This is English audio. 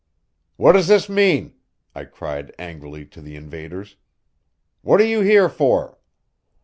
"What does this mean?" I cried angrily to the invaders. "What are you here for?"